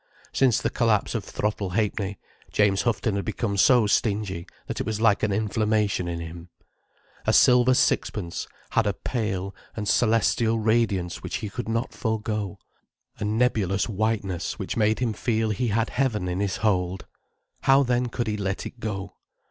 Since the collapse of Throttle Ha'penny, James Houghton had become so stingy that it was like an inflammation in him. A silver sixpence had a pale and celestial radiance which he could not forego, a nebulous whiteness which made him feel he had heaven in his hold. How then could he let it go.